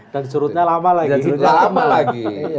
dan surutnya lama lagi